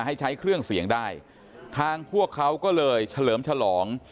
ให้ใช้เครื่องเสียงได้ทางพวกเขาก็เลยเฉลิมฉลอง